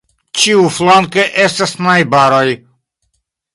Ĉiuflanke estas najbaroj.